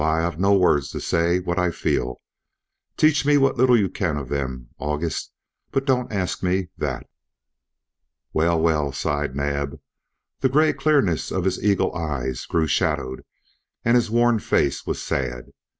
I've no words to say what I feel. Teach me what little you can of them, August, but don't ask me that." "Well, well," sighed Naab. The gray clearness of his eagle eyes grew shadowed and his worn face was sad.